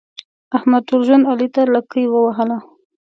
احمد ټول ژوند علي ته لکۍ ووهله.